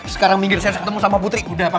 sekarang minggir saya ketemu sama putri